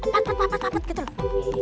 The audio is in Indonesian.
pat pat pat pat kedul